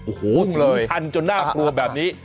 โอ้โหทันจนน่ากลัวแบบนี้